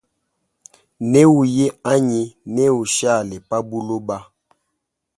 Newuye anyi ne ushale pa buloba.